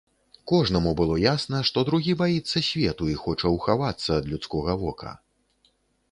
Кожнаму было ясна, што другі баіцца свету і хоча ўхавацца ад людскога вока.